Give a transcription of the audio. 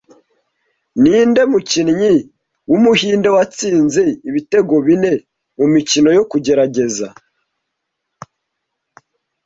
Ninde mukinnyi wumuhinde watsinze ibitego bine mumikino yo kugerageza